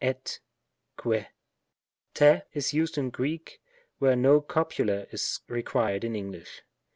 et — que. Tt is used in Greek, where no copula is required in English.